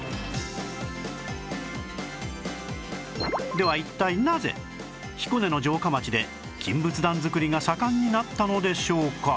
では一体なぜ彦根の城下町で金仏壇作りが盛んになったのでしょうか？